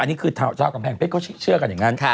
อันนี้คือชาวกำแพงเพชรเขาเชื่อกันอย่างนั้น